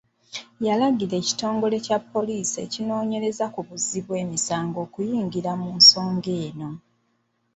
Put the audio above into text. Yalagira ekitongole kya ppoliisi ekinoonyereza ku buzzi bw’ emisango okuyingira mu nsonga eno.